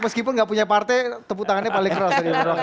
meskipun enggak punya partai tepuk tangannya paling keras